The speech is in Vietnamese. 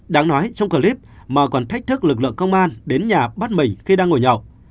đáng nói trong clip mà còn thách thức lực lượng công an đến nhà bắt mình khi đang ngồi nhậu